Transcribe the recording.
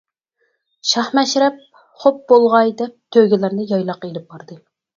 شاھ مەشرەپ: «خوپ بولغاي! » دەپ تۆگىلەرنى يايلاققا ئېلىپ باردى.